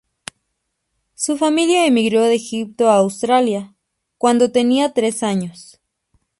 Su familia emigro de Egipto a Australia cuando tenía tres años.